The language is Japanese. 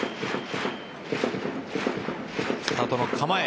スタートの構え。